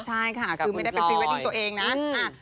ใช่ค่ะคือไม่ได้เป็นพรีเวดดิ้งตัวเองนะ